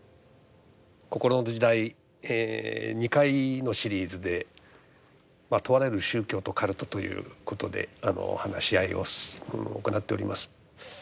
「こころの時代」２回のシリーズで「問われる宗教とカルト」ということで話し合いを行っております。